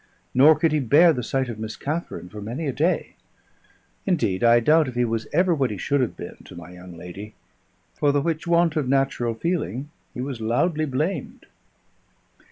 Nor could he bear the sight of Miss Katharine for many a day; indeed, I doubt if he was ever what he should have been to my young lady; for the which want of natural feeling he was loudly blamed.